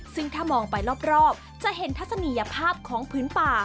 ซึ่งถ้ามองไปรอบจะเห็นทัศนียภาพของพื้นป่า